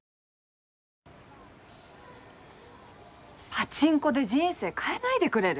パチンコで人生変えないでくれる？